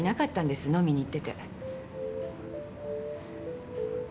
飲みに行ってて。